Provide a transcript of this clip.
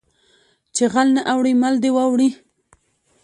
ـ چې غل نه اوړي مل دې واوړي .